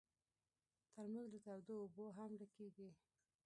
ترموز له تودو اوبو هم ډکېږي.